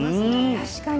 確かに。